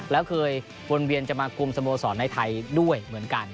แล้วเคยวนเวียนจะมาคุมสโมสรในไทยด้วยเหมือนกัน